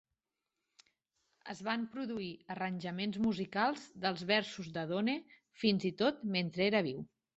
Es van produir arranjaments musicals dels versos de Donne fins i tot mentre era viu.